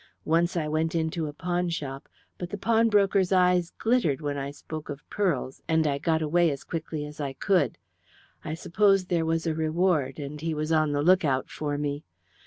Once I went into a pawnshop, but the pawnbroker's eyes glittered when I spoke of pearls, and I got away as quickly as I could. I suppose there was a reward, and he was on the look out for me.